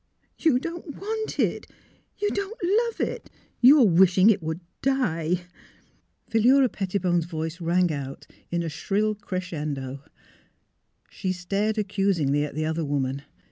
" You don't want it! You don't love it! You are wishing it would die! " Philura Pettibone 's voice rang out in a shrill crescendo. She stared accusingly at the other woman.